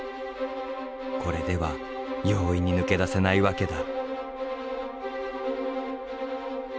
これでは容易に抜け出せないわけだ。